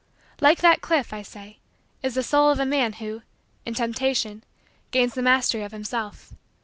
Like that cliff, I say, is the soul of a man who, in temptation, gains the mastery of himself.